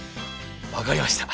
分かりました。